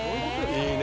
いいね。